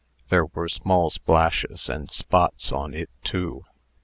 There were small splashes and spots on it too.